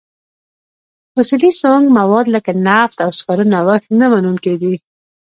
فسیلي سونګ مواد لکه نفت او سکاره نوښت نه منونکي دي.